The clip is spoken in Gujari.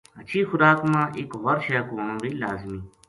ہچھی خوراک ما ایک ہور شے کو ہونو بے لازمی